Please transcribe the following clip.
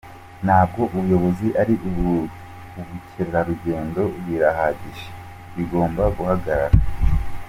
Ntabwo ubuyobozi ari ubukerarugendo, birahagije, bigomba guhagarara”.